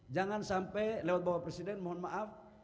jangan sampai lewat bapak presiden mohon maaf